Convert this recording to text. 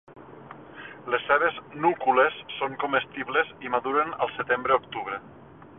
Les seves núcules són comestibles i maduren al setembre-octubre.